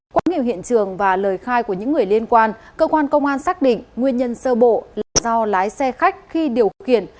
quá nhiều hiện trường và lời khai của những người liên quan cơ quan công an xác định nguyên nhân sơ bộ là do lái xe khách khi điều khiển